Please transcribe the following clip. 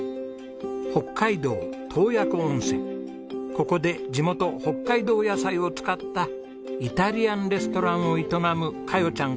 ここで地元北海道野菜を使ったイタリアンレストランを営むカヨちゃん